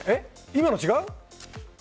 今の違う？